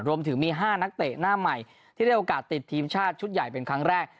รวมถึงมี๕นักเตะหน้าใหม่ที่ได้โอกาสติดทีมชาติชุดใหญ่เป็นครั้งแรก